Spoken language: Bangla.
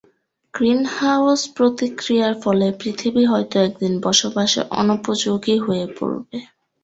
গ্রিন হাউস প্রতিক্রিয়ার ফলে পৃথিবী হয়তো একদিন বসবাসের অনুপযোগী হয়ে পড়বে।